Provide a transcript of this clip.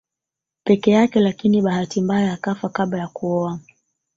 Peke yake lakini bahati mbaya akafa kabla ya kuoa